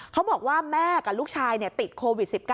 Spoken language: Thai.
เขาบอกว่าแม่กับลูกชายติดโควิด๑๙